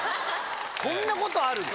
そんなことある？